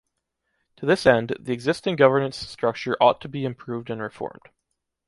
To this end, the existing governance structure ought to be improved and reformed.